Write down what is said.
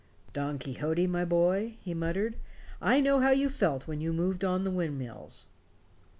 "Don Quixote, my boy," he muttered, "I know how you felt when you moved on the windmills."